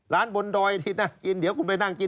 บนดอยที่น่ากินเดี๋ยวคุณไปนั่งกิน